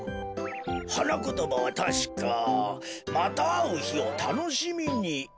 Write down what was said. はなことばはたしか「またあうひをたのしみに」だったかのぉ。